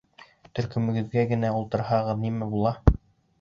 Төркөмөгөҙҙә генә ултырһағыҙ нимә була?